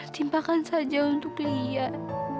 timpakan saja untuk liat